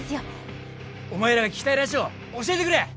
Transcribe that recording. お前らが聴きたいラジオ教えてくれ！